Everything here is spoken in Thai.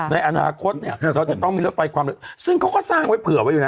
ในอนาคตเนี่ยเราจะต้องมีรถไฟความเร็วซึ่งเขาก็สร้างไว้เผื่อไว้อยู่แล้ว